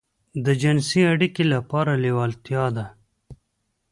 د جنسي اړيکې لپاره لېوالتيا ده.